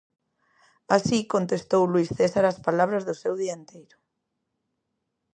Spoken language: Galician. Así contestou Luís César as palabras do seu dianteiro.